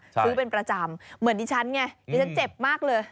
ซื้อเป็นประจำเหมือนดิฉันไงดิฉันเจ็บมากเลย